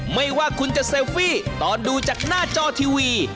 ไม่ว่าคุณจะเซลฟี่ตอนดูจากหน้าจอทีวี